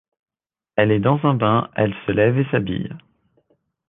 Elle est dans un bain et elle se lève et s'habille.